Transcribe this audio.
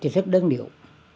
thì rất đơn điệu